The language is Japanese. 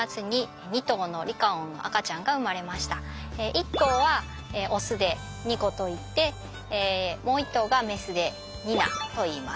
一頭はオスでニコといってもう一頭がメスでニナといいます。